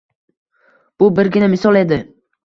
Bu birgina misol edi.